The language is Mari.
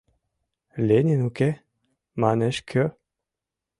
«Ленин уке», Манеш кӧ?!